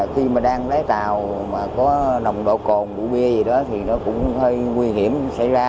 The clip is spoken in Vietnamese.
khi mà đang lấy tàu mà có nồng độ cồn bụi bia gì đó thì nó cũng hơi nguy hiểm xảy ra